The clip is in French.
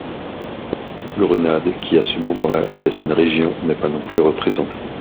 Grenade, qui à ce moment-là était une région, n'est pas non-plus représentée.